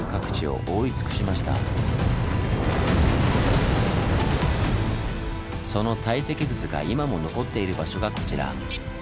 大量のその堆積物が今も残っている場所がこちら。